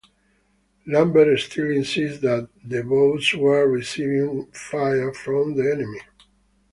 Lambert still insists that the boats were receiving fire from the enemy.